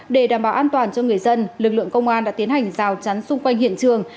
để đảm bảo an toàn cho người dân lực lượng công an đã tiến hành rào chắn xung quanh hiện trường